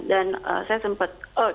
dan saya sempat